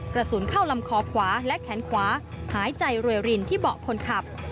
กระสุนเข้าลำคอขวาและแขนขวาหายใจรวยรินที่เบาะคนขับ